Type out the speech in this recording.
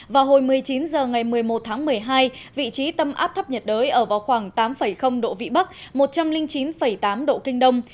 vào hồi một mươi chín h ngày một mươi một tháng một mươi hai vị trí tâm áp thấp nhiệt đới ở vào khoảng tám độ vĩ bắc một trăm linh chín tám độ kinh đông